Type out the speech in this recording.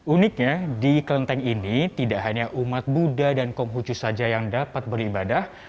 uniknya di kelenteng ini tidak hanya umat buddha dan konghucu saja yang dapat beribadah